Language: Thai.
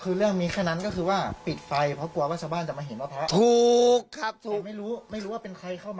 ก็เลยให้เขาพิ่งไปอยู่ข้างในก่อน